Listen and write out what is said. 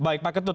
baik pak ketut